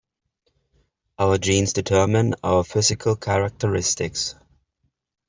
Our genes determine our physical characteristics.